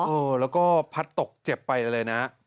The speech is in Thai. เออแล้วก็พัดตกเจ็บไปเลยนะ